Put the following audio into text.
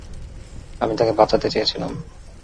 আমি তাকে বাঁচাতে চেয়েছিলাম।